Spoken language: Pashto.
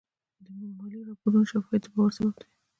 د مالي راپورونو شفافیت د باور سبب دی.